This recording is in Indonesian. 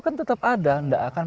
kan tetap ada tidak akan